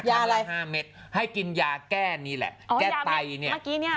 ยาอะไรห้าเม็ดให้กินยาแก้นี่แหละแก้ไตเนี่ยอ๋อยาเม็ดเมื่อกี้เนี่ยเหรอ